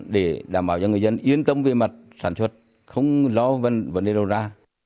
để đảm bảo cho người dân yên tâm về mặt sản xuất không lo vấn đề đầu ra